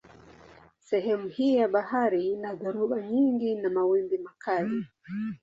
Sehemu hii ya bahari ina dhoruba nyingi na mawimbi makali.